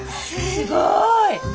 すごい。